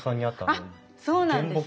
あっそうなんです。